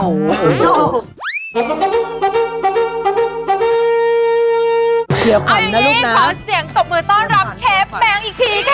เอาอย่างนี้ขอเสียงตบมือต้อนรับเชฟแบงค์อีกทีค่ะ